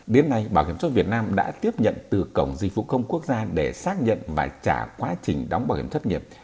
đến nay bảo hiểm xuất việt nam đã tiếp nhận từ cổng dịch vụ công quốc gia để xác nhận và trả quá trình đóng bảo hiểm thất nghiệp